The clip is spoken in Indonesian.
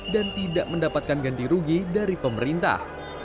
dan tidak mendapatkan ganti rugi dari pemerintah